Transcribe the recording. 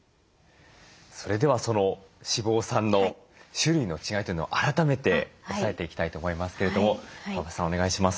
それでは脂肪酸の種類の違いというのを改めて押さえていきたいと思いますけれども川端さんお願いします。